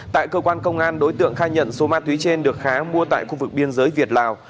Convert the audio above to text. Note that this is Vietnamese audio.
tại cơ quan công an đối tượng khai nhận số ma túy trên được khá mua tại khu vực biên giới việt lào